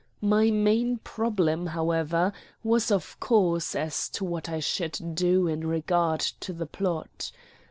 My main problem, however, was of course as to what I should do in regard to the plot.